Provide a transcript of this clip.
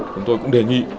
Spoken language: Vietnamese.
chúng tôi cũng đề nghị